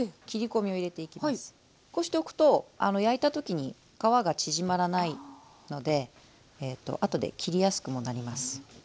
こうしておくと焼いた時に皮が縮まらないのであとで切りやすくもなります。